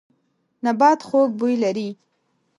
نبات خوږ بوی لري.